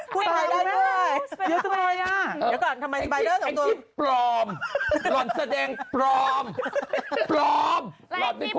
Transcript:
พูดแบบเ